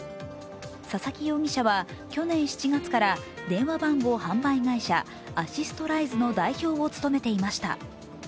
佐々木容疑者は去年７月から電話番号販売会社、アシストライズの代表を務めていました。